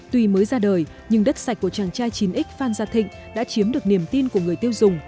tuy mới ra đời nhưng đất sạch của chàng trai chín x phan gia thịnh đã chiếm được niềm tin của người tiêu dùng